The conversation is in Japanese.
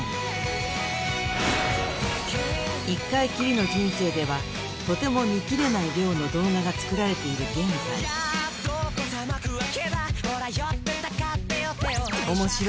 １回きりの人生ではとても見きれない量の動画が作られている現在うわ。